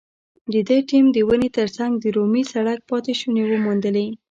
د ده ټیم د ونې تر څنګ د رومي سړک پاتې شونې وموندلې.